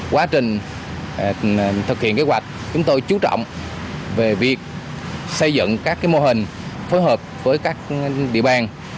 quá trình thực hiện kế hoạch chúng tôi chú trọng về việc xây dựng các mô hình phối hợp với các địa bàn